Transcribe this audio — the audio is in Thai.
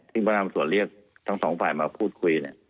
พนักงานส่วนเรียกทั้งสองฝ่ายมาพูดคุย